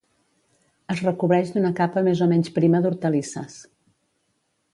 Es recobreix d'una capa més o menys prima d'hortalisses